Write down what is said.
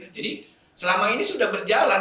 jadi selama ini sudah berjalan